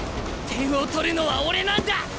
点を取るのは俺なんだ！